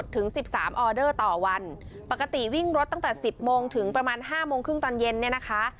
ต่อวันปกติวิ่งรถตั้งแต่๑๐โมงถึงประมาณ๕โมงครึ่งตอนเย็นเนี่ยนะคะ